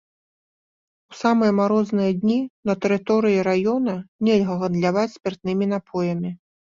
У самыя марозныя дні на тэрыторыі раёна нельга гандляваць спіртнымі напоямі.